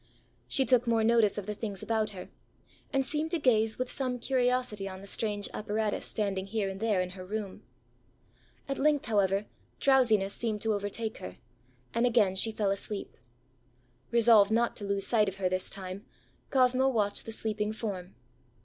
She took more notice of the things about her, and seemed to gaze with some curiosity on the strange apparatus standing here and there in her room. At length, however, drowsiness seemed to overtake her, and again she fell asleep. Resolved not to lose sight of her this time, Cosmo watched the sleeping form.